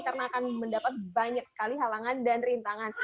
karena akan mendapat banyak sekali halangan dan rintangan